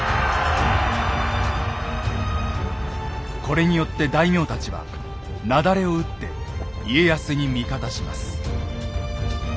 これによって大名たちはなだれを打って家康に味方します。